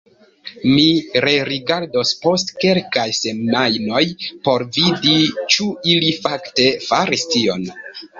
Mi rerigardos post kelkaj semajnoj por vidi ĉu ili fakte faris tion.